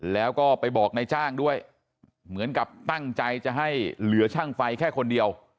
แล้วก็ไปบอกนายจ้างด้วยเหมือนกับตั้งใจจะให้เหลือช่างไฟแค่คนเดียว